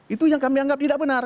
itu yang kami anggap tidak benar